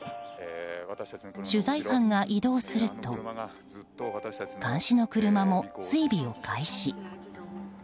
取材班が移動すると監視の車も追尾を開始。